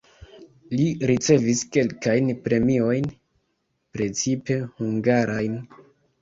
Li ricevis kelkajn premiojn (precipe hungarajn).